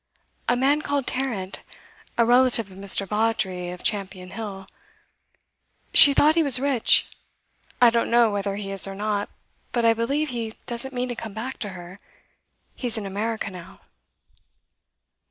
'A man called Tarrant, a relative of Mr. Vawdrey, of Champion Hill. She thought he was rich. I don't know whether he is or not, but I believe he doesn't mean to come back to her. He's in America now.